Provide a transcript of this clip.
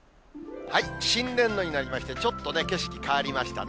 新年度になりまして、ちょっと景色変わりましたね。